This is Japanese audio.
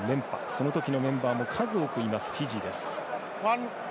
その時のメンバーも数多くいます、フィジーです。